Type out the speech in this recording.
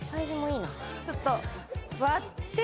ちょっと割って。